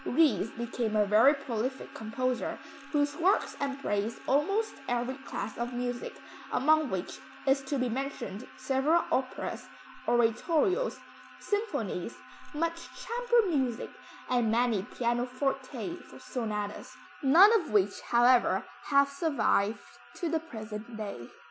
Ries became a very prolific composer, whose works embrace almost every class of music, among which is to be mentioned several operas, oratorios, symphonies, much chamber music, and many pianoforte sonatas, none of which, however have survived to the present day.